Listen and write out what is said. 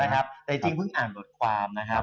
แต่จริงเพิ่งอ่านบทความนะครับ